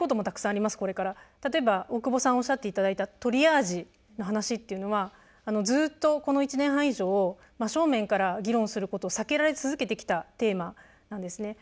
これから、例えば大久保さんおっしゃっていただいたトリアージの話っていうのはずっとこの１年半以上真正面から議論することを避けられ続けてきたテーマなんですね。